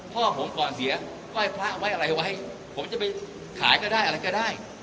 พ่อผมก่อนเสียไหว้พระไว้อะไรไว้ผมจะไปขายก็ได้อะไรก็ได้